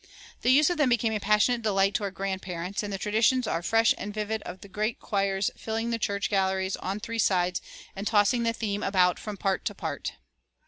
The use of them became a passionate delight to our grandparents; and the traditions are fresh and vivid of the great choirs filling the church galleries on three sides, and tossing the theme about from part to part.